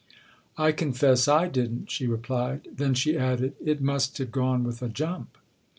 " I confess I didn't," she replied. Then she added : "It must have gone with a jump